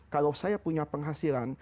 kalau saya punya penghasilan